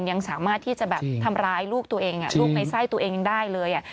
ยังสามารถที่จะแบบทำร้ายลูกตัวเองลูกในไส้ตัวเองได้เลย